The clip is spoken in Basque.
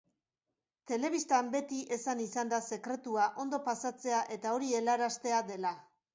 Telebistan beti esan izan da sekretua ondo pasatzea eta hori helaraztea dela.